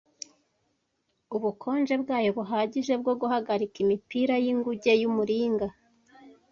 Ubukonje bwayo buhagije bwo guhagarika imipira y'inguge y'umuringa